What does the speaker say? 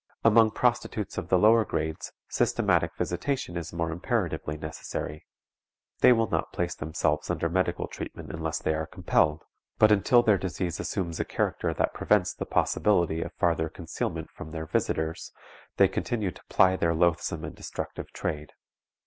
Among prostitutes of the lower grades systematic visitation is more imperatively necessary. They will not place themselves under medical treatment unless they are compelled, but until their disease assumes a character that prevents the possibility of farther concealment from their visitors, they continue to ply their loathsome and destructive trade.